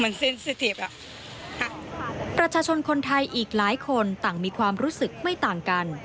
มันสินสิทธิ์อ่ะฮะรัชชนคนไทยอีกหลายคนต่างมีความรู้สึกไม่ต่างกัน